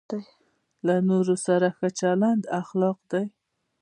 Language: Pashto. له نورو سره ښه چلند اخلاق دی.